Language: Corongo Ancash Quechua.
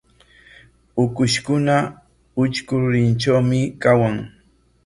Ukushkuna utrku rurinkunatrawmi kawan.